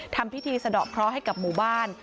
ทำพิธีสะดอกเคราะห์ให้กับหมู่บ้าน